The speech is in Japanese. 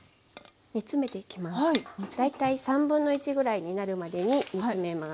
大体1/3ぐらいになるまでに煮詰めます。